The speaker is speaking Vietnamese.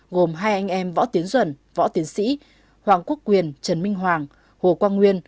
gồm hai anh em võ tiến duẩn võ tiến sĩ hoàng quốc quyền trần minh hoàng hồ quang nguyên